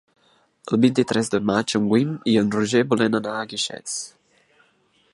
El vint-i-tres de maig en Guim i en Roger volen anar a Guixers.